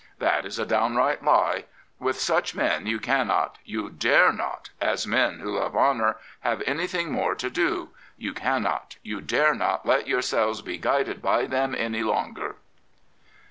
That is a downright lie. ... With such men you cannot, you dare not, as men who love honour, have anything more to do: you cannot, you dare not let yourselves be guided by them any longer.